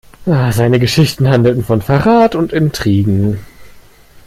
Seine Geschichten handelten von Verrat und Intrigen.